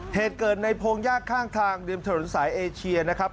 เหตุเกิดในพงศ์ยากข้างทางเดียวหนึ่งสายเอเชียนะครับ